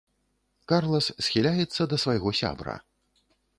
Карлас схіляецца да свайго сябра.